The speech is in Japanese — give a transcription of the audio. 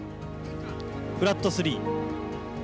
フラップ３。